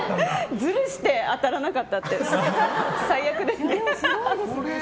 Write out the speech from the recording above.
ずるして当たらなかったって最悪ですね。